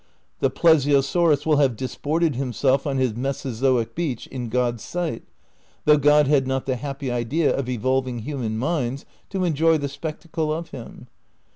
The plesiosaurus will have disported himself on his meso zoic beach in God's sight, though God had not the hap py idea of evolving human minds to enjoy the spectacle of him.